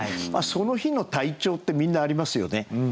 その日の体調ってみんなありますよね。